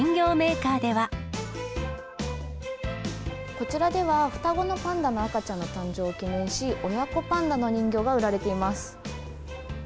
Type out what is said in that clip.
こちらでは、双子のパンダの赤ちゃんの誕生を記念し、親子パンダの人形が売られています。